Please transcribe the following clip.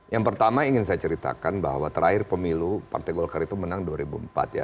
yang pertama ingin saya ceritakan bahwa terakhir pemilu partai golkar itu menang dua ribu empat ya